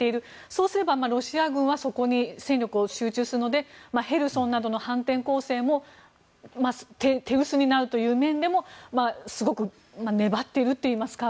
そうすればロシア軍はそこに戦力を集中するのでヘルソンなどでの反転攻勢も手薄になるという面でもすごく粘っているといいますか。